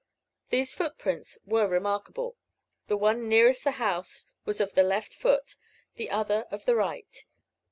These footprints were remarkable; the one nearest the house was of the left foot, the other of the right.